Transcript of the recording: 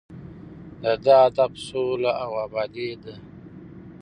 د ده هدف سوله او ابادي ده.